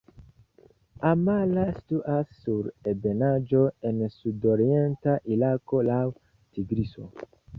Amara situas sur ebenaĵo en sudorienta Irako laŭ Tigriso.